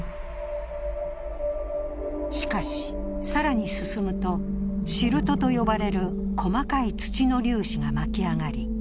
しかし、更に進むと、シルトと呼ばれる細かい土の粒子が巻き上がり